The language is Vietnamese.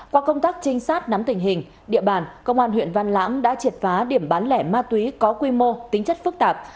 qua công tác trinh sát nắm tình hình địa bàn công an huyện văn lãng đã triệt phá điểm bán lẻ ma túy có quy mô tính chất phức tạp